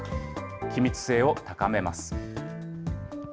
気密性を高めます。